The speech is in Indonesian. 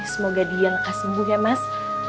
semoga dia gak sembuh ya mas